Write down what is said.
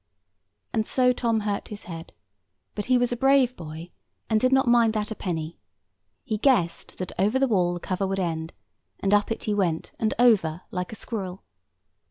And so Tom hurt his head; but he was a brave boy, and did not mind that a penny. He guessed that over the wall the cover would end; and up it he went, and over like a squirrel.